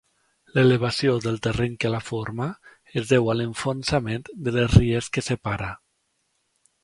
L'elevació del terreny que la forma es deu a l'enfonsament de les ries que separa.